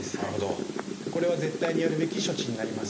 これは絶対にやるべき処置になります。